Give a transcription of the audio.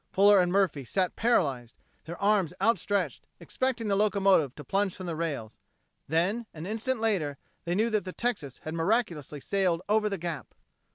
Fuller and Murphy sat paralyzed, their arms outstretched, expecting the locomotive to plunge from the rails. Then, an instant later, they knew that the Texas had miraculously sailed over the gap!